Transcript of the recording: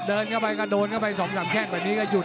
เดินเข้าไป๒๓แค่งวันนี้ก็หยุด